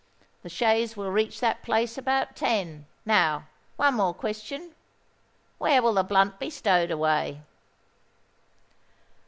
The chaise will reach that place about ten. Now, one more question:—where will the blunt be stowed away?"